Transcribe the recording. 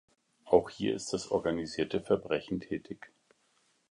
Auch hier ist das organisierte Verbrechen tätig.